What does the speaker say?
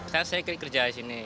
saya kerja di sini